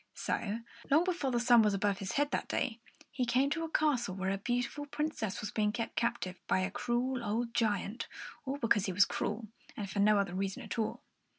So, long before the sun was above his head that day, he came to a castle where a beautiful Princess was being kept captive by a cruel old giant, all because he was cruel, and for no other reason at all.